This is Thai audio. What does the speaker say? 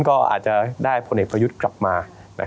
ก็อาจจะได้พลเนตพยุทธกลับมา